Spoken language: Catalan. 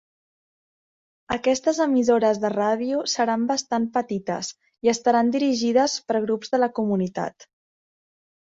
Aquestes emissores de ràdio seran bastant petites i estaran dirigides per grups de la comunitat.